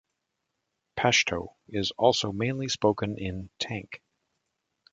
Pashto is also mainly spoken in Tank.